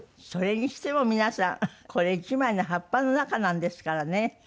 それにしても皆さんこれ１枚の葉っぱの中なんですからね。